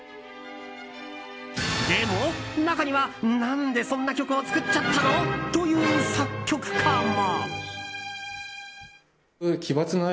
でも中には、何でそんな曲を作っちゃったの？という作曲家も。